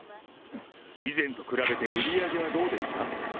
以前と比べて売り上げはどうですか。